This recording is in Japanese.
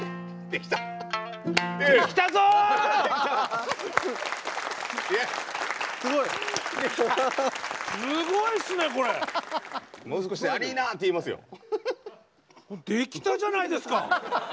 できたじゃないですか。